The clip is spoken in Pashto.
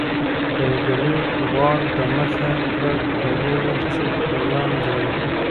پريګلې وار د مخه کړ او وویل چې پيريان دي